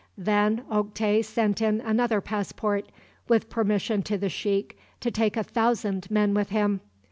Then Oktay sent in another passport, with permission to the sheikh to take a thousand men with him.